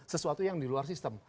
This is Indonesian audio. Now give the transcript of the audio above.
sesuatu yang di luar sistem